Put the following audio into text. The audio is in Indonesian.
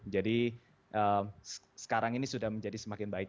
jadi sekarang ini sudah menjadi semakin baik